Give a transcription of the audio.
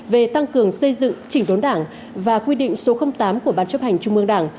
về tăng cường xây dựng chỉnh đốn đảng và quy định số tám của ban chấp hành trung mương đảng